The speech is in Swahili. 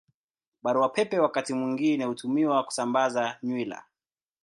Barua Pepe wakati mwingine hutumiwa kusambaza nywila.